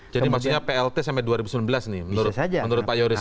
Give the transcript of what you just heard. jadi maksudnya plt sampai dua ribu sembilan belas nih menurut pak yoris